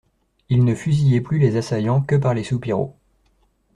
Ils ne fusillaient plus les assaillants que par les soupiraux.